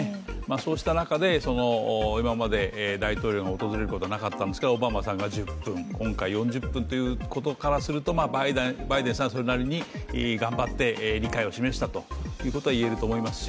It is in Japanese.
そうした中で、今まで大統領が訪れることがなかったんですがオバマさんが１０分、今回、４０分ということからするとバイデンさんはそれなりに理解をしたということは言えると思いますし。